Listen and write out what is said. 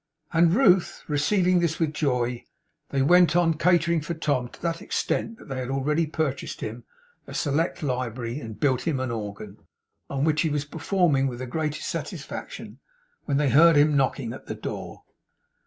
And Ruth receiving this with joy, they went on catering for Tom to that extent that they had already purchased him a select library and built him an organ, on which he was performing with the greatest satisfaction, when they heard him knocking at the door.